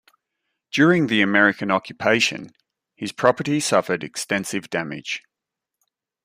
During the American occupation, his property suffered extensive damage.